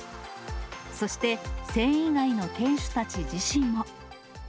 そして繊維街の店主たち自身も。